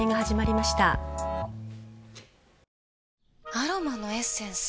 アロマのエッセンス？